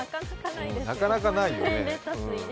なかなかないよね。